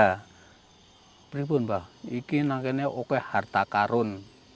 tapi ini pun bahwa ini nanti oke harta karun